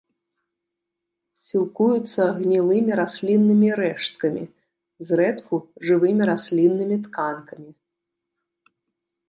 Сілкуюцца гнілымі расліннымі рэшткамі, зрэдку жывымі расліннымі тканкамі.